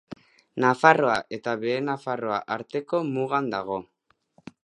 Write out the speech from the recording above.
Nafarroa eta Behe Nafarroa arteko mugan dago.